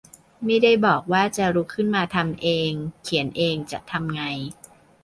ไม่ได้บอกว่าจะลุกขึ้นมาทำเองเขียนเองจะทำไง